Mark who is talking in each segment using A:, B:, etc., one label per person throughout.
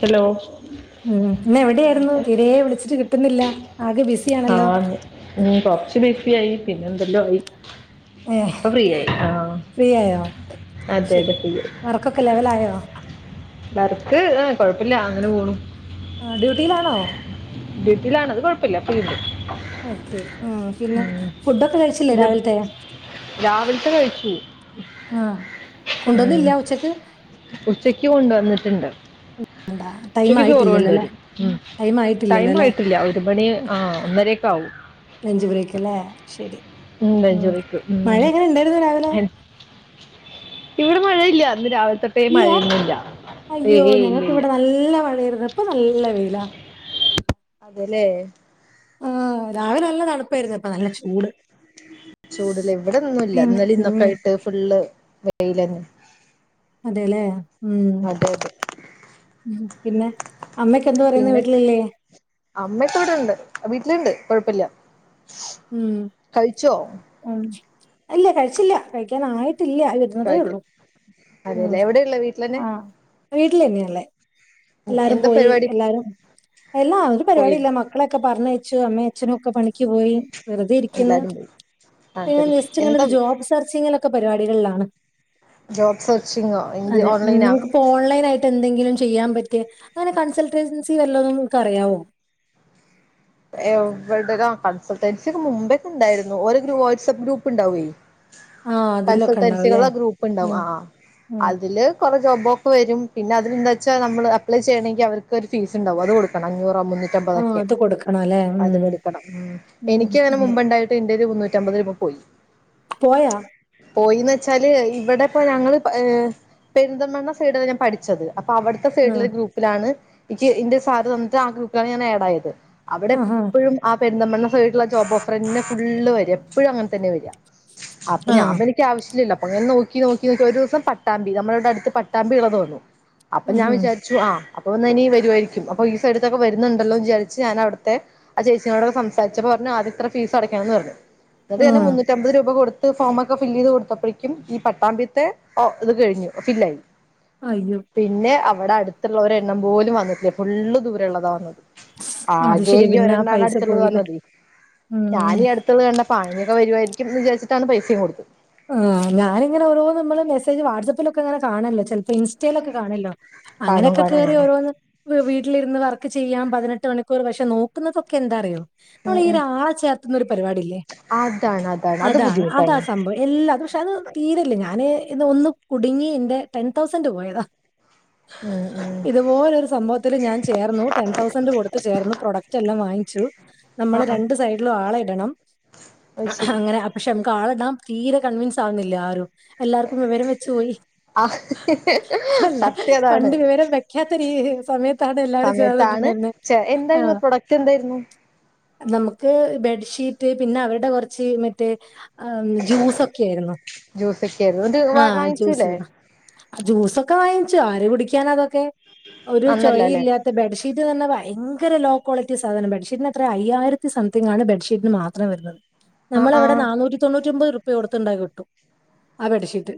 A: Hello
B: ഉം ഇന്നെവിടെയായിരുന്നു തീരെ വിളിച്ചിട്ട് കിട്ടുന്നില്ല. ആകെ
A: ആ
B: ബിസിയാണല്ലോ
A: ഉം കൊർച് ബിസി ആയി പിന്നെന്തെല്ലോ ആയി
B: ഏ
A: പ്പൊ ഫ്രീയായി ആഹ്.
B: ഫ്രീ ആയോ
A: അതെ
B: ശരി
A: അതെ ഫ്രീയായി
B: വർക്കൊക്കെ ലെവലായോ
A: വർക്ക് ഏഹ് കൊഴപ്പല്ല അങ്ങനെ പോണു
B: ആഹ് ഡ്യൂട്ടിയിലാണോ
A: ഡ്യൂട്ടിലാണത് കൊഴ പ്പല്ലണ്ട് പി [inaudible]
B: ഓക്കെ ഉം പിന്നെ ഫുഡൊക്കെ കഴിച്ചില്ലേ രാവിലത്തെ
A: രാവിൽത്തെ കഴിച്ചു
B: ആ
A: ഉം
B: കൊണ്ടുവന്നില്ല ഉച്ചക്ക്
A: ഉച്ചക്ക് കൊണ്ട് വന്നിട്ട്ണ്ട്
B: ഉണ്ടാ
A: ഉച്ചക്ക് ചോറ് കൊണ്ട് വരും, ഉം
B: ആയിട്ടില്ലല്ലോ
A: ടൈം
B: അല്ലെ
A: ആയിട്ടില്ല ഒരു മണി ആഹ് ഒന്നരൊക്കെ ആകും
B: അഞ്ചു ബ്രേക്ക്ല്ലേ ശരി ഉം
A: ലഞ്ചുറിക്ക് ഉം
B: മഴ എങ്ങനെ ഉണ്ടായിരുന്നു രാവിലെ
A: എൻ- ഇവിടെ മഴയില്ല ന്ന് രാവിലെ തൊട്ടേ
B: ഇല്ല
A: മഴയൊന്നുല്ല
B: അയ്യോ
A: ഏയ് ഇല്ല
B: ഞങ്ങൾക്ക്
A: ല്ല
B: ഇവിടെ നല്ല മഴയാരുന്നു പ്പ നല്ല വെയിലാ
A: അതെ ലേ
B: ആഹ് രാവിലെ നല്ല തണുപ്പായിരുന്നു പ്പ നല്ല ചൂട്
A: ചൂട്ലെ ഇവിടൊന്നുല്ല
B: പിന്നെ
A: ഇന്നല്യു
B: ഉം
A: ഇന്നൊക്കായിട്ട് ഫുള്ള് വെയിലന്നെ
B: അതെലേ ഉം
A: അതെ അതെ
B: പിന്നെ അമ്മക്കെന്ത്‌
A: പിന്നെ അമ്മക്കെവടെണ്ട് വീട്ടിലുണ്ട് കൊഴപ്പല്യ
B: ഉം ഉ ഇല്ല കഴിച്ചില്ല കഴിക്കാനായിട്ടില്ല അതെ
A: കഴിക്കാം
B: ഒള്ളു, ഉം
A: അതെല്ലേ എവിടെയുള്ള വീട്ടിലന്നെ
B: ആഹ് വീട്ടിലന്നെള്ളേ എല്ലാരും
A: എന്താ
B: പോയി
A: പരിപാടി
B: എല്ലാരും എല്ലാം ഒരു പരിപാടി
A: പോയി
B: ഇല്ല മ ക്കളെയോക്കെ പറഞ്ഞയച്ചു. അമ്മേ അച്ഛനൊക്കെ പണിക്ക് പോയി വെറുതെ ഇരിക്കുന്ന്.
A: എല്ലാരും പോയി
B: പ്പ ഞാൻ
A: അതല്ലേ
B: ജസ്റ്റ് ഇങ്ങനെ
A: എന്താ
B: ഒരു ജോബ് സെർച്ചിങ്ങിലൊക്കെ പരിപാടികളിലാണ്
A: ജോബ് സെർച്ചിങ്ങോ എന്ത്
B: അതെ
A: ഓൺലൈനാ
B: നമുക്കിപ്പോ ഓൺലൈൻ ആയിട്ട് ട്ടെന്തെങ്കിലും ചെയ്യാൻ പറ്റിയ അങ്ങനെ കൺസൾട്ടൻസി വല്ലതും നിങ്ങക്കറിയാവൊ
A: എവിടെ ആ കൺസൾട്ടൻസി ഒക്കെ മുമ്പേക്കെണ്ടായിരുന്നു. ഓരോ വാട്സ്ആപ്പ് ഗ്രൂപ്പ് ഉണ്ടാവേ
B: ആഹ് അതിലൊക്കെ ഉണ്ടാവുംല്ലേ
A: കൺസൾട്ടൻസികളെ ഗ്രൂപ്പ്ണ്ടാവും
B: ഉം
A: ആഹ്
B: ഉം
A: അതില് കുറേ ജോബൊക്കെ വരും പിന്നെ അതന്താ വെച്ചാ നമ്മള് അപ്പ്ളെ ചെയ്യണങ്കി അവർക്കൊരു ഫീസ് ഇണ്ടാവും അത് കൊടുക്കണം അഞ്ഞൂറോ മുന്നൂ റ്റ അമ്പതൊക്കെ
B: കൊടുക്കണ അലെ
A: അത് കൊടുക്കണം ഉം എനിക്ക് അങ്ങനെ മുമ്പ്ണ്ടായിട്ട് എന്റെ ഒരു മുന്നൂറ്റമ്പത് രൂപ പോയി
B: പോയാ
A: പോയീന്ന് വെച്ചാല് ഇവടെപ്പോ ഞങ്ങള് ഏ പെര്ന്തൽമണ്ണ സൈഡാ ഞാൻ പട്ച്ചത് അപ്പ അവട്ത്തെ സൈഡില്
B: ആഹ്
A: ഒരു ഗ്രൂപ്പിലാണ് ഇക്കി ഇന്റെ സാറ് തന്ന്ട്ട് ആ ഗ്രൂപ്പ്ലാണ് ഞാൻ ആഡ് ആയത് അവടെ
B: ആഹ്
A: എപ്പഴും ആ പെര്ന്തൽമണ്ണ സൈഡ്ള്ള ജോബ് ഓഫറന്നെ ഫുള്ള് വര എപ്പഴും അങ്ങൻ തന്നെ വര അപ്പം ഞാൻ
B: ആഹ്
A: വ എനിക്ക് ആവശ്യലല്ലോ അപ്പങ്ങനെ നോക്കി നോക്കി ഒരൂസം പട്ടാമ്പി നമ്മടവടെ അട്ത്ത് പട്ടാമ്പിളള തോന്നുന്നു അപ്പ
B: ഉം
A: ഞാൻ
B: ഉം
A: വിചാര്ച്ചു ആ അപ്പം വന്ന് ഇനി വരുവായിരിക്കും അപ്പൊ ഈ സൈഡ്ത്തൊക്കെ വരുന്നുണ്ടല്ലോ വിചാരിച്ച് ഞാന് അവട് ത്തെ ആ ചേച്ചിനോട് സംസാരിച്ചപ്പോ പർഞ് ആദ്യം ഇത്ര ഫീസ് അടക്കണംന്ന് പർഞ്ഞു ന്നട്ട് ഞാന്
B: ആഹ്
A: മുന്നൂ അമ്പത് രൂപ കൊടുത്ത് ഫോമൊക്കെ ഫില്ല് ചെയ്ത് കൊട്ത്തപ്പയെക്കും ഈ പട്ടാമ്പീത്തെ ഇത് കഴിഞ്ഞു ഫില്ലായി
B: അയ്യോ
A: പിന്നെ അവടെ അട്ത്ത്ള്ള ഒരു എണ്ണം പോലും വന്ന്ട്ടില്ല ഫുള്ള് ദൂരള്ളതാ വന്നത് ആ
B: അത് ശെരിയാ
A: ഈ
B: പിന്നെ ആ
A: ഒരണ്ണാണ്
B: പൈസ
A: അട്ത്ത്ള്ളത്
B: പോയില്ലേ
A: വന്നത്
B: ഉം
A: ഞാനി അട് ത്തുള്ള കണ്ടപ്പ ആ ഇനിയിപ്പോ വരുവായിരിക്കും ന്ന് വിചാരിച്ചിട്ടാണ് പൈസക്കെ കൊടുത്ത
B: ആ ഞാന്ങ്ങനെ ഓരോ നമ്മള് മെസ്സേജ് വാട്സപ്പിലൊക്കെ ഇങ്ങനെ കാണല്ലോ ചെൽപ്പോ ഇൻസ്റ്റയിലൊക്കെ കാണല്ലോ
A: കാണും
B: അങ്ങനെക്കെ
A: കാണും
B: കേറി
A: ആ
B: ഓരോന്ന് വീട്ടിലിരുന്ന് വർക്ക് ചെയ്യാം പതിനെട്ട് മണിക്കൂർ പക്ഷെ നോക്കുന്നതൊക്കെ എന്താറിയോ
A: ഉം
B: നമ്മള് ഈ ഒര്
A: ഉം
B: ആള ചേർത്തുന്നൊരു പരിവാടില്ലേ
A: അതാണ് അതാണ് അത് ബുദ്ധിമുട്ടാണ്
B: ഇല്ലാ അത് പക്ഷെ അത് തീരല്ലേ ഞാന് ഇന്ന് ഒന്ന് കുടിങ്ങി ഇന്റെ ടെൻ തൗസൻ് പോയതാ
A: ഉം ഉം
B: ഇതുപോലൊരു സംഭവത്തില് ഞാൻ ചേർന്നു ടെൻ തൗസൻഡ് കൊടുത്ത് ചേർന്നു പ്രൊഡക്റ്റ് എല്ലാം വാങ്ങിച്ചു നമ്മള് രണ്ട് സൈഡിലും ആളെ ഇടണം
A: അയ് ശരി
B: അങ്ങനെ അ പക്ഷെ നമുക്ക് ആളെ ഇടാം തീരെ കൺവൻസ് ആവുന്നില്ല ആരും എല്ലാവർക്കും വിവരം വെച് പോയി
A: ആ
B: അല്ല
A: സത്യം അതാണ്
B: പണ്ട് വിവരം വെക്കാത്തര് സമയത്താണ് എല്ലാരും
A: സമയത്താണ്
B: ചേർന്നിട്ടുണ്ടായ്രുന്നെ
A: ചെ എന്തായിരുന്നു പ്രൊഡക്റ്റ് എന്തായിര്ന്നു
B: നമുക്ക് ബെഡ്ഷീറ്റ് പിന്നെ അവരുടെ കൊർച്ച് മറ്റേ ഏ ജ്യൂസൊക്കെ ആയിരുന്നു
A: ജ്യൂസൊക്കെ ആയിരുന്നു ഇത്
B: ആ
A: വാ
B: ജ്യൂസ്
A: വാങ്ങിച്ചൂല്ലേ
B: ജ്യൂസൊക്കെ വാങ്ങിച്ചു ആര് കുടിക്കാനാ അതൊക്കെ ഒരു
A: അന്നല്ല
B: ചോയി
A: അല്ലേ
B: ഇല്ല ത്ത ബെഡ്ഷീറ്റ് ന്ന് പർഞാ ഭയങ്കര ലോ ക്വാളിറ്റി സാധനം ബെഡ്ഷീറ്റിന് അത്ര അയ്യായിരത്തി സംതിങ്ങാണ് ബെ്ഷീറ്റ്ന് മാത്രം വരുന്നത്
A: ആഹ്
B: നമ്മളെ ഇവടെ
A: ആഹ്
B: നന്നൂറ്റി തൊണ്ണൂറ്റി ഒമ്പത് റുപ്പ്യ കൊടുത്ത്ണ്ടായ കിട്ടും ആ ബെഡ്ഷീറ്റ്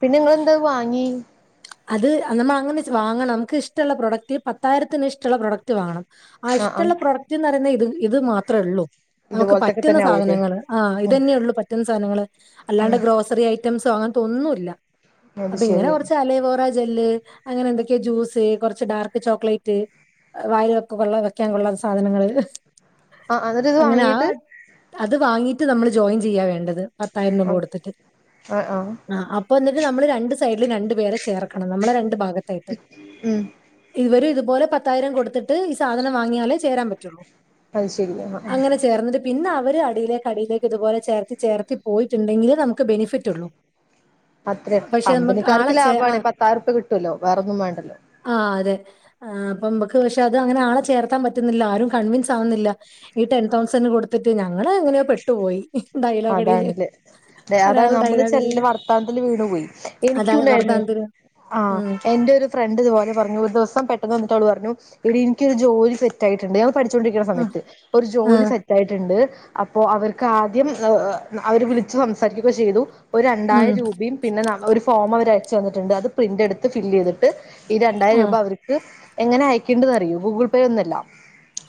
A: പിന്നെ ഇങ്ങള് എന്താ അത് വാങ്ങി
B: അത് നമ്മള് അങ്ങനെ വാങ്ങണം നമുക്ക് ഇഷ്ടള്ള പ്രൊഡക്ട് പത്തായിരത്തിന് ഇഷ്ടള്ള പ്രൊഡക്ട് വാങ്ങണം ആ
A: ആഹ് ആഹ്
B: ഇഷ്ടള്ള പ്രൊഡക്റ്റ് ന്ന് പറയുന്ന ഇത് ഇത് മാത്ര ഒള്ളൂ നമുക്ക്
A: ഇതുപോലത്തൊക്കെ
B: പറ്റുന്ന
A: തന്നെ ആവൂലേ
B: സാധനങ്ങള് ആ
A: ഉം
B: ഇതന്നെ ഒള്ളൂ പറ്റുന്ന സാധനങ്ങള് അല്ലാണ്ട്
A: ഉം
B: ഗ്രോസ് ത്രി ഐറ്റംസോ അങ്ങൻത്ത ഒന്നു ഇല്ല
A: അത്
B: അപ്പ
A: ശരി
B: ഇങ്ങനെ കൊർച് അലെവോറ ജെല്ല് അങ്ങനെ എന്തൊക്കെയോ ജ്യൂസ് കൊർച്ച് ഡാർക്ക് ചോക്ലേറ്റ് വായില് വെക്ക കൊള്ള വെക്കാൻ കൊള്ളാത്ത സാധനങ്ങള്
A: ആഹ് എന്നിട്ട് ഇത്
B: അങ്ങനെ ആ
A: വാങ്ങീട്ട്
B: അത് വാങ്ങീട്ട് നമ്മള് ജോയിൻ ചെയ്യാ വേണ്ടത് പത്തായിരം രൂപ
A: ആഹ്
B: കൊടുത്ത്ട്ട്
A: ആഹ് ആഹ്
B: ആ അപ് അപ്പോ വന്നിട്ട് നമ്മള് രണ്ട് സൈഡില് രണ്ട് പേരെ ചേർക്കണം നമ്മളെ രണ്ട് ഭാഗ തായിട്ട്
A: ഉം
B: ഇവരും ഇത് പോലെ പത്ത് പത്തായിരം കൊട്ത്തിട്ട് ഈ സാധനം വാങ്ങ്യാലെ ചേരാൻ പറ്റുള്ളു
A: അത് ശരി ആഹ് ആഹ്
B: അങ്ങനെ ചേർന്നിട്ട് പിന്നെ അവര് അടിയിലേക്ക് അടിയിലേക്ക് ഇതുപോലെ ചേർത്തി ചേർത്തി പോയിട്ടുണ്ടെങ്കിൽ നമുക്ക് ബെനിഫിറ്റ് ഉള്ളൂ
A: അത്രയും
B: പക്ഷെ നമുക്ക് ആളെ
A: കമ്പനിക്കാർക്ക്
B: ചേ
A: ലാഭാണ് പത്തായിരം റുപ്യ കിട്ടല്ലോ വേറൊന്നും വേണ്ടല്ലോ
B: ആഹ് അതെ അപ്പൊമ്മക്ക് പക്ഷെ അത് അങ്ങനെ ആളെ ചേർത്താൻ പറ്റുന്നില്ല ആരും കൺവീൻസ് ആവുന്നില്ല ഈ ടെൻ തൗസൻഡ് കൊടുത്തിട്ട് ഞങ്ങള് എങ്ങനെയോ പെട്ടുപോയി ഡയലോഗ് അടിയില്
A: അതെ അതാണ് നമ്മള് ചെല്ല വർത്താനത്തില് വീണു പോവേ
B: അതാ
A: എനിക്കൂണ്ടായിരുന്നു
B: വർദ്ധാനത്തിന്
A: ആഹ്
B: ഉം
A: എന്റെ ഒരു ഫ്രണ്ട് ഇതുപോലെ പറഞ്ഞു ഒരു ദിവസം പെട്ടെന്ന് വന്നിട്ടവൾ പറഞ്ഞു എടീ എനിക്ക് ഒരു ജോലി സെറ്റായിട്ടുണ്ട് പഠിച്ചൊണ്ടിരിക്കണ
B: ആ
A: സമയത്ത് ഒരു
B: ആ
A: ജോലി സെറ്റ് ആയിട്ടുണ്ട് അപ്പോ അവർക്ക് ആദ്യം അവര് വിളിച്ച് സംസാരിക്കൊക്കെ ചെയ്തു ഒരു
B: ഉം
A: രണ്ടായിരം രൂപേം പിന്നെ നമ്മ ഒരു ഫോം അവര് അയച്ചു തന്നിട്ടുണ്ട് അത് പ്രിന്റ് എടുത്ത് ഫില്ല് ചെയ്തിട്ട് ഈ രണ്ടായിരം
B: ആ
A: രൂപ അവര് ഇത് എങ്ങനെ അയക്കണ്ടന്ന് അറിയോ ഗൂഗിൾ പേ ഒന്നുഅല്ല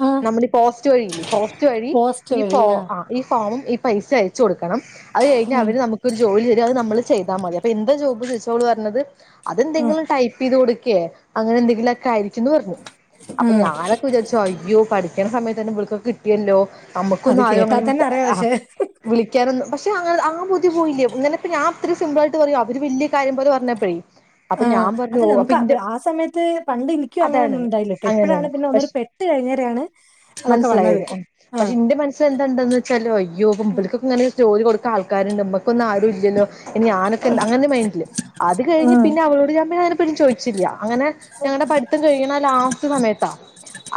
B: ആ
A: നമ്മളീ പോസ്റ്റ് വഴിയില്ലേ പോസ്റ്റ് വഴി
B: പോസ്റ്റ്
A: ഈ ഫ
B: വഴി ആ
A: ഈ ഫോമും ഈ പൈസ അയച്ച് കൊടുക്കണം അത് കഴിഞ്ഞാ
B: ഉം
A: അവര് നമുക്കൊരു ജോലി തരും അത് നമ്മള് ചെയ്താ മതി അപ്പ എന്ത് ജോബ്ന്ന് ഓള് പറഞ്ഞത്
B: ഉം
A: അതെന്തെങ്കിലും ടൈപ്പ് ചെയ്ത് കൊടുക്കേ അങ്ങനെ എന്തെങ്കിലുവൊക്കെ ആയി ന്ന് പറഞ്ഞു അപ്പൊ
B: ഉം.
A: ഞാനൊക്കെ വിചാരിച്ചോ അയ്യോ പഠിക്കണ സമയ തന്നെ ബളക്കൊക്കെ കിട്ടിയല്ലോ
B: അത്
A: നമ്മുക്കൊന്നും ആരും അങ്ങനെ
B: കേട്ടാൽ തന്നെ അറിയാം പക്ഷെ
A: [unintelligible] വിളിക്കാനൊന്നും പക്ഷെ അങ്ങന ആ ബുദ്ധി പോയില്ലേ ഇങ്ങനെപ്പ ഞാൻ ഇത്ര സിമ്പിൾ ആയിട്ട് പറയാ അവര് വല്യ [unintelligible] പറഞ്ഞപ്പോഴേ അപ്പൊ
B: ആഹ്.
A: ഞാൻ പറഞ്ഞു
B: അതല്ല
A: അപ്പൊ
B: നമുക്ക് അ
A: ഇന്റെ
B: ആ സമയത്ത് പണ്ട് എനിക്കും
A: അതാണ്
B: അങ്ങനെയൊന്നും ഉണ്ടായില്ലട്ടോ. ഇപ്പഴാണ്
A: അങ്ങനെയാണ്
B: പിന്നെ ഒന്നൂടെ
A: പക്ഷെ
B: പെട്ട് കഴിഞ്ഞേരെയാണ് അതൊക്കെ വന്നത്.
A: മൻസ്സിലായത് പക്ഷെ
B: ആഹ്.
A: എന്റെ മന സിലെന്താന്ന് വെച്ചാല് അയ്യോ
B: ഉം.
A: ഇവല്ക്കൊക്കെങ്ങനെ ജോലി കൊടുക്കാആൾക്കാരുണ്ട് മ്മക്കൊന്നും ആരും ഇല്ലല്ലോ ഇനി ഞാനൊക്കെ എന്താ അങ്ങനെ ഒരു മൈൻഡില് അത് കഴിഞ്ഞ്
B: ആഹ്.
A: പിന്നെ അവളോട് ഞാൻ പിന്നെ അതിനെപറ്റി ചോദിച്ചില്ല അങ്ങനെ ഞങ്ങടെ പഠിത്തം കഴിയണ ലാസ്റ്റ് സമയത്താ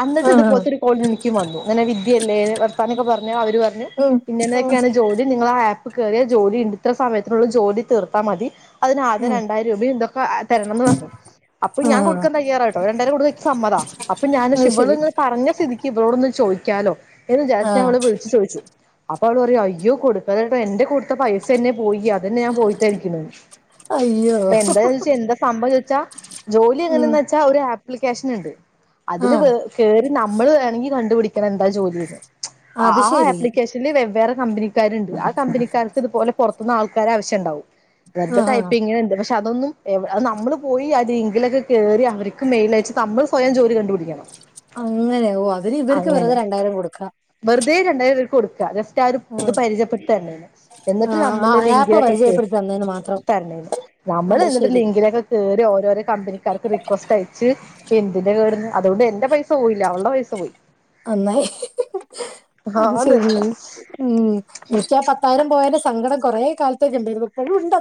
A: അന്നിട്ട്
B: ആഹ്.
A: ഇത്പോലത്തെ ഒരു കോൾ എനിക്കും വന്നു ഇങ്ങനെ വിദ്യയല്ലേ വർത്താനൊക്കെ പറഞ്ഞു അവര് പറഞ്ഞ്
B: ഉം. ഉം.
A: ഇങ്ങനെയൊക്കെയാണ് ജോലി നിങ്ങളാ ആ ആപ്പിൽ കയറിയാൽ ജോലി ഉണ്ട് ഇത്ര സമയത്തിനുള്ള ജോലി തീർത്താ മതി അതിനാകെ
B: ഉം.
A: രണ്ടായിരം രൂപന്തോ തരണംന്ന് പറഞ്ഞു അപ്പൊ
B: ആഹ്.
A: ഞാൻകൊടുക്കാൻ തയ്യാറട്ടോ രണ്ടായിരം കൊടുക്കാൻ എനിക്ക് സമ്മത അപ്പ ഞാൻ
B: അത് ശരി.
A: ഇവളിങ്ങനെ പറഞ്ഞ സ്ഥിതി ക്ക് ഇവളോടൊന്ന് ചോയിക്കാലോ എന്ന് വിചാരിച്ച് ഞാൻ
B: ആഹ്.
A: അവളെ വിളിച്ചു ചോദിച്ചു അപ്പൊ അവള് പറയാ അയ്യോ കൊടുക്കല്ലേ ട്ടോ എന്റെ കൊടുത്ത പൈസ എന്നെ പോയി അതന്നെ ഞാൻ പോയിട്ടായിരിക്കുണ്
B: അയ്യോ.
A: അപ്പൊ എന്താന്ന് വെച്ചാ എന്താ സംഭവം എന്ന് ചോദിച്ചാ ജോലി
B: ഉം.
A: എങ്ങനെ ച്ചാ ഒരു ആപ്ലിക്കേഷൻ ഉണ്ട് അതില്
B: ആഹ്.
A: കേ കേറി നമ്മള് വേണെങ്കി കണ്ട് പിടിക്ക ണം എന്താ ജോലിന്നു ആ
B: അത് ശരി.
A: ആപ്ലിക്കേഷൻ [unintelligible] വെവ്വേറെ കമ്പനിക്കാരുണ്ട് ആ കമ്പനിക്കാർക്ക് ഇതുപോലെ പൊറത്തുന്നാൾക്കാരെ ആവശ്യണ്ടാവും വെറുത
B: ആഹാ.
A: ടൈപ്പിങ്ങനുണ്ട് പക്ഷെ അതൊന്നും ഏഹ് അത് നമ്മള് പോയി ആ ലിങ്കിലൊക്കെ കേറി അവര്ക്ക് മെയിൽ അയച്ച് നമ്മള് സ്വയം ജോലി കണ്ടു പിടിക്കണം
B: അങ്ങനെയ ഓഹ് അതിന് ഇവര്ക്ക് വെറുതെ
A: അങ്ങനെ
B: രണ്ടായിരം കൊടുക്കാ
A: വെറുതെ രണ്ടായിരം രൂപ കൊടുക്ക രസ [unintelligible] ഇത്
B: ഉം.
A: പരിചയപ്പെട്ട തന്നല്ലേ എന്നിട്ട്
B: ആഹ്. ആ
A: നമ്മള്
B: ആപ്പ്
A: ലിങ്കിലൊക്കെ കേ
B: പരിചയപ്പെടുത്തി തന്നേന് മാത്രം.
A: തരണ്ടെന്നു നമ്മള്
B: അത്
A: എന്നിട്ട്
B: ശരി.
A: ലിങ്കിലൊക്കെ കേറി ഓരോരോ കമ്പനിക്കാർക്ക് റിക്വസ്റ്റ് അയച്ച് എന്തിന്റെ കേട്ന്ന് അതുകൊണ്ട് എന്റെ പൈസ പോയില്ല അവൾടെ പൈസ പോയി
B: നന്നായി അത്
A: ആന്ന്
B: ശരി ഉം പക്ഷെ ആ പത്തായിരം പോയന്റെ സങ്കടം കൊറെ കാലത്തേക്കിണ്ടായിരുന്നു ഇപ്പോഴും ഉണ്ട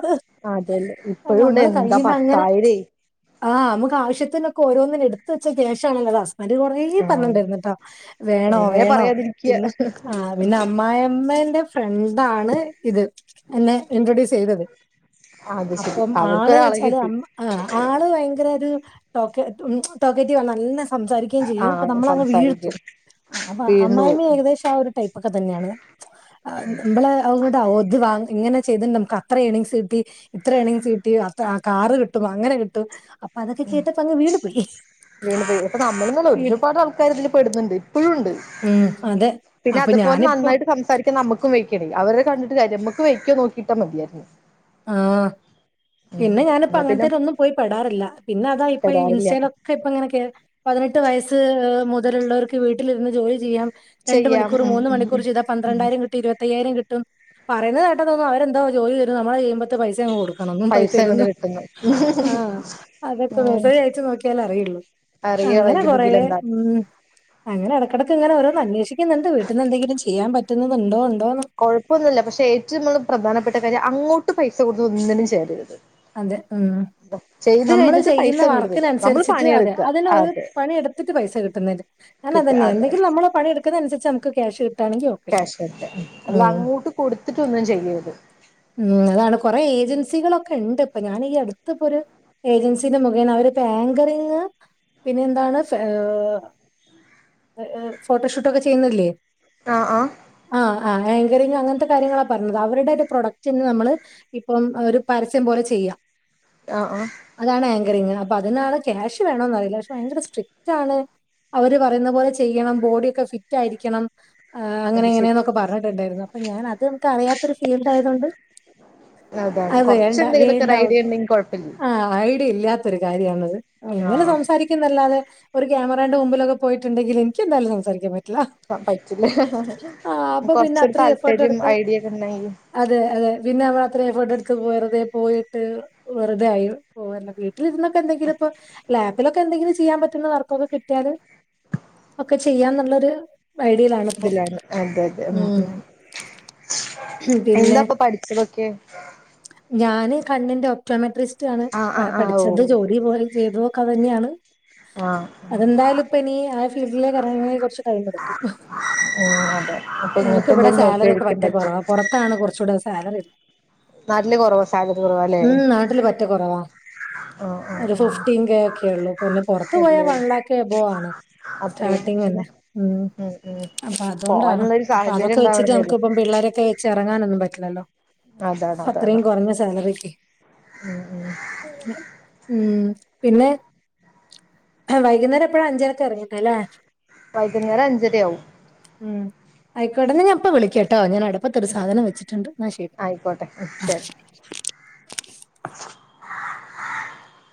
A: അതെല്ലേ ഇപ്പഴും ഉണ്ട് എന്താ
B: അങ്ങനെ
A: പത്തായിരേ
B: ആ മ്മക്ക് ആശ്യത്തിനൊക്കെ ഓരോന്നിന്ട്ത്ത് വെച്ച ക്യാഷാണല്ലോ ഹസ്ബന്റ് കൊറെ
A: ആഹ്
B: പർഞ്ണ്ടേര്ന്ന്ട്ടോ വേണോ
A: എങ്ങനെ
B: വേണോ
A: പറയാതിരിക്ക
B: പിന്നെ ആ വ് ന്റമ്മായിമ്മന്റെ ഫ്രണ്ടാണ് ഇത് എന്നെ ഇൻട്രൊഡ്യൂസെയ്തത്
A: അത് ശരി
B: അപ്പം ആള്
A: അവർക്കൊരാളെ
B: ച്ചാല്
A: കിട്ടി
B: അമ്മ ആ ആള് ഭയങ്കരൊരു ടോ ടോക്കറ്റിവ നല്ലസ് സംസാരിക്കുകയും ചെയ്യും പ്പ
A: ആഹ്
B: നമ്മളങ് വീഴ്ത്തും
A: സംസാരിക്കും
B: അപ്പ
A: വീണ് പോവും
B: അമ്മായിമ്മേം ഏകദേശം ആ ഒരു ടൈപ്പൊക്കെത്തെന്ന്യാണ് മ്മള് അതോണ്ട് [unintelligible] ങ്ങനെ ചെയ്തിണ്ട് നമ്മക്കത്ര ഏണിങ്സ് കിട്ടി ഇത്ര ഏണിങ്സ് കിട്ടി അത്ര കാറ് കിട്ടും അങ്ങനെ കിട്ടും അ
A: ഉം വീണ് പോയി നമ്മളൊന്നല്ല
B: വീട്
A: ഒരുപാട് ആൾക്കാരിതില് പെട്ന്ന്ണ്ട് പ്പഴുണ്ട്
B: ഉം അതെ
A: പിന്നെ
B: അപ്പൊ
A: അതുപോലെ
B: ഞാനിപ്പോ
A: നന്നായിട്ട് സംസാരിക്ക ക്ക്‌ നമ്മക്കും വെയ്ക്കണെ അവരെ കണ്ടിട്ട് കാര്യ നമ്മക്ക് വെയ്ക്കോ നോക്കിട്ടാ മതിയായിര്ന്ന്
B: ആ പിന്നെ ഞാനിപ്പോ
A: എന്നാ പിന്നെ
B: അങ്ങൻത്തെനൊന്നും പോയി പെടാറില്ല പിന്നെതാ ഇപ്പൊ ഈ
A: പെടാറില്ല
B: ഇൻസ്റ്റെലൊ ക്കെ പ്പങ്ങനെ കേൾ പതിനെട്ട് വയസ്സ് മുതലുള്ളവർക്ക് വീട്ടിലിരുന്ന് ജോലി ചെയ്യാം രണ്ട്
A: ചെയ്യാം
B: മണിക്കൂർ
A: ഉം
B: മൂന്ന്
A: ഉം ഉം
B: മണിക്കൂറ് ചെയ്താ
A: ഉം
B: പന്ത്രണ്ടായിര കിട്ടും ഇരുപത് ത്തയ്യായിരം കിട്ടും പറയുന്നത് കേട്ടാ തോന്നും അവരെന്തോ ജോലി തെരും നമ്മളെ മ്പത്തെ പൈസ അങ്ങ് കൊട്ക്കണം [unintelligible]
A: പൈസ അങ്ങട്
B: തെരുംന്ന്
A: കിട്ടുന്നു
B: ആ അതാപ്പൊ
A: ഉം
B: മെസ്സേജ് അയച്ച് നോക്കി ക്ക്യാലറിയുള്ളൂ അങ്ങനെ
A: അറിയായിരിക്കും
B: കൊറേ
A: മുകിലെന്താ
B: ഉം അങ്ങനെ എടക്കെടക്ക് ങ്ങനെ ഓരോന്ന് അന്വേഷിക്ക്‌ന്ന്ണ്ട് വീട്ട്ന്നെന്തെങ്കിലും ചെയ്യാൻ പറ്റുന്നത്ണ്ടോ ണ്ടോന്ന്
A: കൊഴപ്പൊന്നുല്ല പക്ഷേ ഏറ്റവും നമ്മള് പ്രധാനപ്പെട്ട കാര്യം അങ്ങോട്ട് പൈസ കൊടുത്ത് ഒന്നിനും ചേരരുത്
B: അതെ ഉം
A: ചെയ്ത്
B: നമ്മള്
A: കഴിഞ്ഞിട്ട് പൈസ
B: ചെയ്യുന്ന
A: ഇങ്ങട് തരിക നമ്മള്
B: വർക്കിനൻസരിച്ചിട്ട് അതെ
A: പണിയെടുക്കുക
B: അതിനൊരു
A: അതെ
B: പണിയെടുത്തിട്ട് പൈസ കിട്ടുന്നൊര് ഞാൻ
A: കിട്ടുക
B: അതെന്നെ
A: അതെ അതെ
B: എന്തെങ്കിലും നമ്മള് പണിയെടുക്കുന്നൻസരിച്ച് നമുക്ക് ക്യാഷ് കിട്ടാണെങ്കി ഓക്കെ ഉം
A: കൊട്ത്ത്ട്ടൊന്നും ചെയ്യര്ത്
B: ഉം അതാണ് കൊറെ ഏജൻസികളൊക്കെണ്ട്പ്പൊ ഞാനീ അട്ത്ത്പ്പൊര് ഏജൻസിന്റെ മുഖേന അവരിപ്പോ ആങ്കറിങ് പിന്നെ എന്താണ് ഫാ ഏ ഫോട്ടോഷൂട്ടൊക്കെ ചെയ്യുന്നില്ലേ
A: ആ ആ
B: ആ ആ ആങ്കറിങ്ങ് അങ്ങൻത്തെ കാര്യങ്ങളാ പർഞ്ഞത് അവര്ടൊരു പ്രൊഡക്ട് ക്റ്റിങ് നമ്മള് ഇപ്പം ഒരു പരസ്യം പോലെ ചെയ്യാ
A: ആ ആ
B: അതാണ് ആങ്കറിങ്ങ് അപ്പൊ അതിനാണ് ക്യാഷ് വേണോന്നറിയില്ല പക്ഷെ ഭയങ്കര സ്ട്രിക്റ്റാണ് അവര് പറയുന്ന പോലെ ചെയ്യണം ബോഡിയൊക്കെ ഫിറ്റായിരിക്കണം എ
A: അത് ശരി
B: അങ്ങനെങ്ങനെന്നൊക്കെ പർഞ്ട്ട്ണ്ടായിരുന്നു അപ്പൊ ഞാൻ അത് നമ്മക്കറിയാത്തൊരു ഫീൽഡായതോണ്ട്
A: അതാണ്
B: അത്
A: കൊറച്ച്
B: വേണ്ട
A: എന്തെങ്കിലുമൊക്കെ ഒരു ഐഡിയ
B: വേണ്ടാവുന്നു
A: ഉണ്ടെങ്കിൽ കൊഴപ്പില്ല
B: ആ ഐട്യല്ലാത്ത ഒരു കാര്യാണത് ങ്ങനെ
A: ആഹ്
B: സംസാരി ക്കുംന്നല്ലാതെ ഒരു ക്യാമറേന്റെ മുന്നിലൊക്കെ പോയിട്ട്ണ്ടെങ്കില് എനിക്കെന്തായാലും സംസാരിക്കാൻ പറ്റ്ല്ല
A: ആ പറ്റ്ല്ല
B: പിന്നെ
A: കൊർച്ചൊരു
B: അത്രയും എഫേർട്ട്
A: താല്പര്യം
B: എടുത്ത്
A: ഐഡിയൊക്കെണ്ടെങ്കി
B: അതെ അതെ പിന്നെ നമ്മള് അത്രേ എഫെട്ട്ട്ത്ത് വെർതെ പോയിട്ട് വെർതെയായി പോവ ട്ട്ല്ര്ന്ന്ക്കെന്തെങ്കിലൊക്കെ ലാപ്പിലൊ ക്കെന്തെങ്കിലും ചെയ്യാൻ പറ്റുന്ന വർക്കൊക്കെ കിട്ട്യാല് ഒക്കെ ചെയ്യാന്ന്ള്ളൊരു പ്പയ്ട്യേലാണ് പ്പൊ
A: ഇതിലാണ് അതെ അതെ
B: ഉം പിന്നെ
A: എന്താപ്പൊ പഠിച്ചതൊക്കെ
B: ഞാന് കണ്ണിന്റെ ഒക്റ്റോ മെട്രിസ്റ്റാണ്
A: ആഹ് ആഹ് ആഹ് ഓ
B: പഠിച്ചത് ജോലി പോലെ ചെയ്തു ക്കൊതെന്ന്യാണ്
A: ആഹ്
B: അതെന്തായാലും ഇപ്പെനി ആ ഫീൽഡിലേക്കെറങ്ങണെങ്കി കൊർച്ച് ടൈമ്ട്ക്കും
A: ഓ അതെ പ്പൊ ഇങ്ങക്കെന്തേലും നോക്കിരിക്കാൻ പറ്റും
B: ട്ടാണ് കുറച്ചൂടെ സാലറി
A: നാട്ടില് കുറവാ സാലറി കുറവാല്ലേ
B: ഉം നാട്ടില് പറ്റ കൊറവാ
A: ആഹ് ആഹ്
B: ഒരു
A: ആഹ്
B: ഫിഫ്റ്റീൻ കെ ഒക്കെയെള്ളൂ പിന്നെ പുറത്ത് പോയാൽ
A: അല്ലേ
B: വൺ ലാക്ക് ബോ ആണ്
A: അത്രയും
B: സ്റ്റാർട്ടിങ് അല്ലെ ഉം അപ്പൊ അതുകൊണ്ടാണ്
A: പോവാനുള്ള ഒരു
B: അപ്പ
A: സാഹചര്യം
B: അതൊക്കെ വെച്ചിട്ട്
A: ഉണ്ടാവണന്നേള്ളൂ
B: നമ്മ്ക്ക് ഇപ്പം പിള്ളേരൊക്കെ ചിറങ്ങാനൊന്നും പറ്റില്ലല്ലോ
A: അതാണ് അതാണ്
B: അത്രയും കുറഞ്ഞ സാലറിക്ക്
A: ഉം ഉം
B: ഉം പിന്നെ വൈകുന്നേരം എപ്പഴ അഞ്ചരക്ക് ഇറങ്ങിട്ടെ ല്ലേ
A: വൈകുന്നേരം അഞ്ചരയാവും
B: ഉം ആയിക്കോട്ടെ ഞാപ്പൊ വിളിക്കാംട്ടോ ഞാൻ അടപ്പത്ത് ഒരു സാധനം വെച്ച്
A: ആയിക്കോട്ടെ ഉം ശരി